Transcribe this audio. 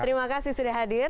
terima kasih sudah hadir